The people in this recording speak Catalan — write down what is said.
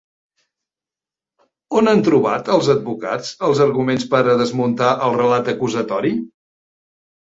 On han trobat els advocats els arguments per a desmuntar el relat acusatori?